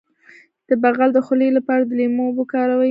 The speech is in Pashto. د بغل د خولې لپاره د لیمو اوبه وکاروئ